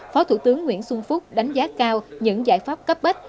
phó thủ tướng nguyễn xuân phúc đánh giá cao những giải pháp cấp bách